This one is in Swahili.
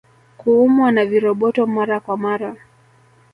Kuumwa na viroboto Mara kwa mara